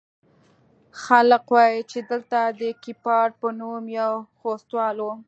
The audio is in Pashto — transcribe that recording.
خلق وايي چې دلته د کيپات په نوم يو خوستوال و.